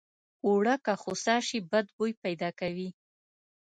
اوړه که خوسا شي بد بوي پیدا کوي